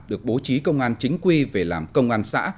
được bố trí công an chính quy về làm công an xã